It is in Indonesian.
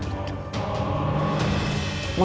ketika berada di dalam kegelapan